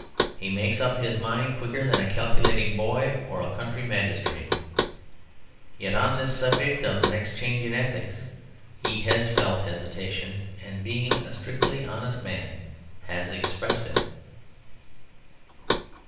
He makes up his mind quicker than a calculating boy or a county magistrate. Yet on this subject of the next change in ethics he has felt hesitation, and being a strictly honest man has expressed it.